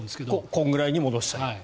これくらいに戻したい。